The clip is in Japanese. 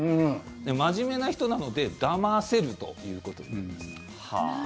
真面目な人なのでだませるということになります。